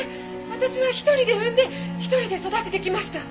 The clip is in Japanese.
私は１人で産んで１人で育ててきました。